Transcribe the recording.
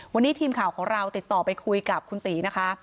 วันนี้ทีมข่าวของเราติดต่อไปคุยกับคุณตีนะคะ